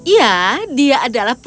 ya dia adalah putriku